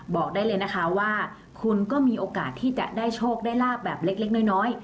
บอกได้เลยนะคะว่าคุณก็มีโอกาสที่จะได้โชคได้ลาบแบบเล็กน้อย